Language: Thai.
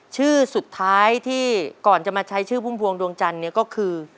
ชื่อสุดท้ายที่ก่อนจะมาใช้ชื่อพุ่มพวงดวงจันทร์เนี่ยก็คือ